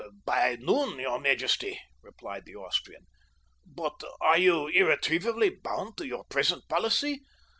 "By noon, your majesty," replied the Austrian, "but are you irretrievably bound to your present policy?